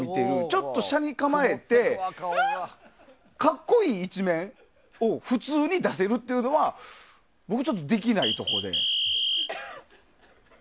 ちょっと斜に構えて格好いい一面を普通に出せるというのは僕はできないとこで。